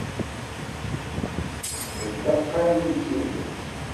D ddeqqa-nni n tidet.